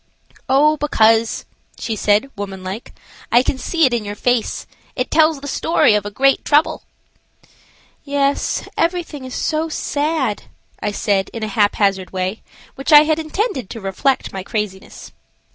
"Oh, because," she said, womanlike, "I can see it in your face. It tells the story of a great trouble." "Yes, everything is so sad," I said, in a haphazard way, which I had intended to reflect my craziness.